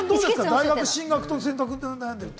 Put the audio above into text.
大学進学との選択で悩んでるって。